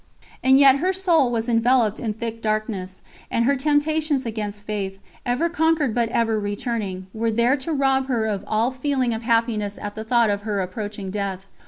And yet her soul was enveloped in thick darkness, and her temptations against Faith, ever conquered but ever returning, were there to rob her of all feeling of happiness at the thought of her approaching death.